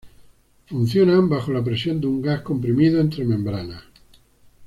Funcionan bajo la presión de un gas comprimido entre membranas.